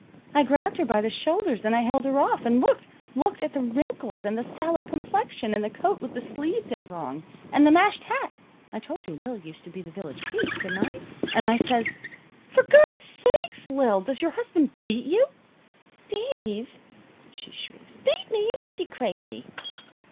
I grabbed her by the shoulders, and I held her off, and looked looked at the wrinkles, and the sallow complexion, and the coat with the sleeves in wrong, and the mashed hat (I told you Lil used to be the village peach, didn't I?) and I says: "'For Gawd's sakes, Lil, does your husband beat you?' "'Steve!' she shrieks, 'beat me! You must be crazy!'